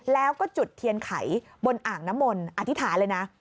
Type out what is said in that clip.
แล้วก็จุดเทียนไขบนอ่างน้ำมนอธิษฐานเลยนะ